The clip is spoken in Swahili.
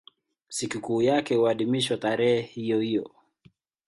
Sikukuu yake huadhimishwa tarehe hiyohiyo.